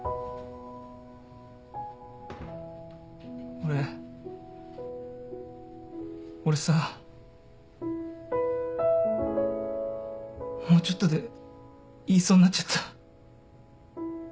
俺俺さもうちょっとで言いそうになっちゃった。